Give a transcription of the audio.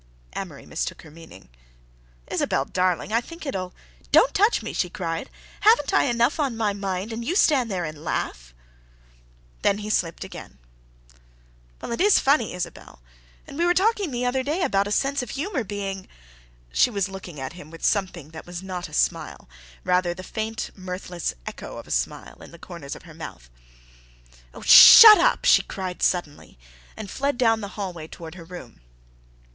Amory mistook her meaning. "Isabelle, darling, I think it'll—" "Don't touch me!" she cried. "Haven't I enough on my mind and you stand there and laugh!" Then he slipped again. "Well, it is funny, Isabelle, and we were talking the other day about a sense of humor being—" She was looking at him with something that was not a smile, rather the faint, mirthless echo of a smile, in the corners of her mouth. "Oh, shut up!" she cried suddenly, and fled down the hallway toward her room.